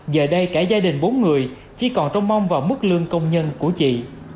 giờ đây cả gia đình bốn người chỉ còn trông mong vào mức lương công nhân của chị